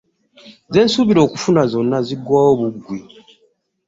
Ze nsuubira okufuna zonna ziggwaawo buggwi.